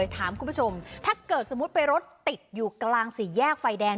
ถามคุณผู้ชมถ้าเกิดสมมุติไปรถติดอยู่กลางสี่แยกไฟแดง